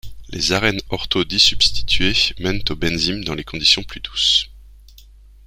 Les arènes ortho-disubstituées mènent aux benzynes dans des conditions plus douces.